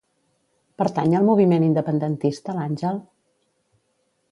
Pertany al moviment independentista l'Angel?